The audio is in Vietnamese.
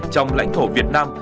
trong lãnh thổ việt nam